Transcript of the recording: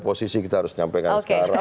posisi kita harus nyampaikan sekarang